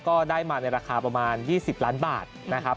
ก็ได้มาในราคาประมาณ๒๐ล้านบาทนะครับ